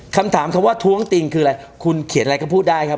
คำถามคำว่าท้วงติงคืออะไรคุณเขียนอะไรก็พูดได้ครับ